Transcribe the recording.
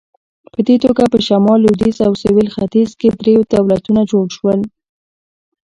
په دې توګه په شمال، لوېدیځ او سویل ختیځ کې درې دولتونه جوړ شول.